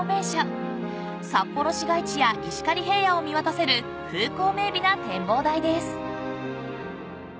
［札幌市街地や石狩平野を見渡せる風光明媚な展望台です］